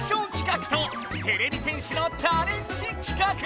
かくとてれび戦士のチャレンジきかく！